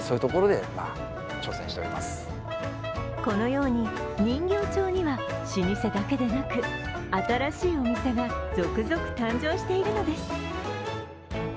このように、人形町には老舗だけでなく新しいお店が続々、誕生しているのです。